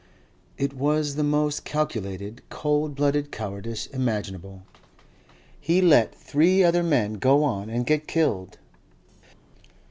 "It was the most calculated, cold blooded cowardice imaginable. He let three other men go on and get killed..."